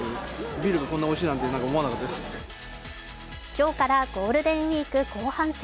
今日からゴールデンウイーク後半戦。